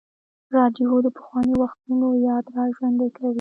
راډیو د پخوانیو وختونو یاد راژوندی کوي.